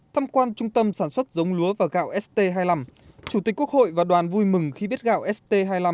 thăm quan trung tâm sản xuất giống lúa và gạo st hai mươi năm chủ tịch quốc hội và đoàn vui mừng khi biết gạo st hai mươi năm